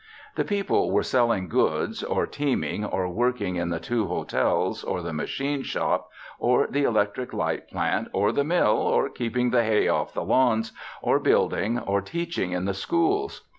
The people were selling goods, or teaming, or working in the two hotels or the machine shop or the electric light plant or the mill, or keeping the hay off the lawns, or building, or teaching in the schools.